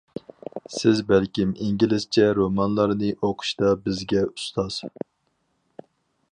سىز بەلكىم ئىنگلىزچە رومانلارنى ئوقۇشتا بىزگە ئۇستاز.